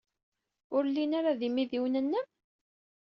Ur llin ara d imidiwen-nnem?